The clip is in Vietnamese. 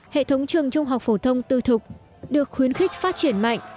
hệ thống trường trung học phổ thông tư thục được khuyến khích phát triển mạnh